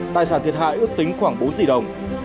tài sản thiệt hại ước tính khoảng bốn tỷ đồng